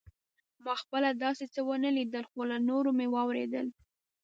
ما خپله داسې څه ونه لیدل خو له نورو مې واورېدل.